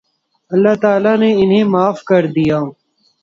اللہ تعالیٰ نے انھیں معاف کر دیا